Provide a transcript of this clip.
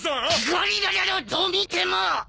ゴリラだろどう見ても！